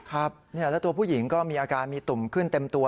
ครับแล้วตัวผู้หญิงก็มีอาการมีตุ่มขึ้นเต็มตัว